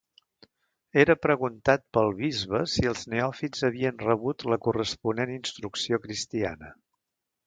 Era preguntat pel bisbe si els neòfits havien rebut la corresponent instrucció cristiana.